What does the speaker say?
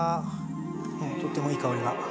とってもいい香りが。